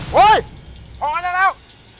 เฮ้ยพอได้แล้ว